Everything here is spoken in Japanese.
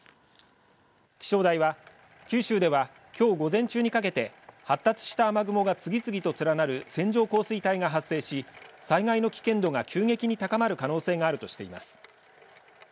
気象台は九州では、きょう午前中にかけて発達した雨雲が次々と連なる線状降水帯が発生し災害の危険度が急激に高まる可能性があるとしています。